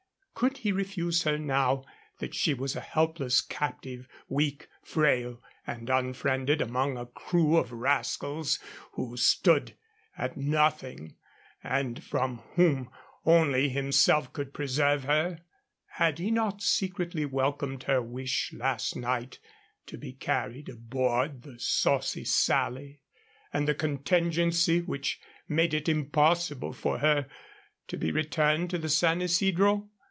Could he refuse her now that she was a helpless captive, weak, frail, and unfriended among a crew of rascals who stood at nothing and from whom only himself could preserve her? Had he not secretly welcomed her wish last night to be carried aboard the Saucy Sally, and the contingency which made it impossible for her to be returned to the San Isidro?